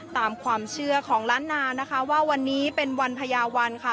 ตามความเชื่อของล้านนานะคะว่าวันนี้เป็นวันพญาวันค่ะ